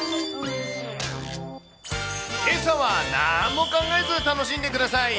けさは、なんも考えず楽しんでください。